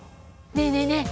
ねえねえねえ